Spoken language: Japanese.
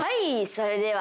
それでは。